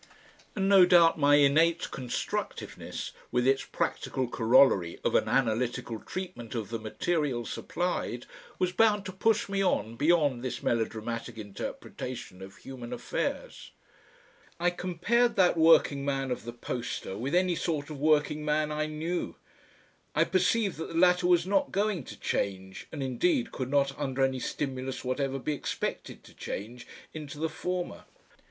And no doubt my innate constructiveness with its practical corollary of an analytical treatment of the material supplied, was bound to push me on beyond this melodramatic interpretation of human affairs. I compared that Working Man of the poster with any sort of working man I knew. I perceived that the latter was not going to change, and indeed could not under any stimulus whatever be expected to change, into the former.